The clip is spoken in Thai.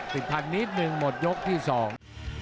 ติดพันนิดหนึ่งหมดยกที่สอง